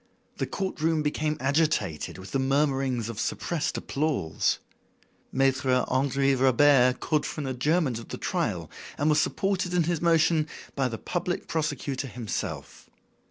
The court room became agitated with the murmurings of suppressed applause. Maitre Henri Robert called for an adjournment of the trial and was supported in his motion by the public prosecutor himself.